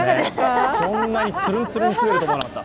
こんなにツルンツルンに滑るとは思えなかった。